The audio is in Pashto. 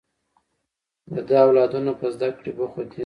د ده اولادونه په زده کړې بوخت دي